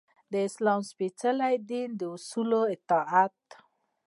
د اسلام د سپیڅلي دین اصولو اطاعت.